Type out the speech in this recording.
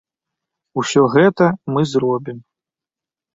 Усё гэта мы зробім.